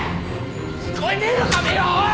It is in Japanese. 聞こえねえのかおい！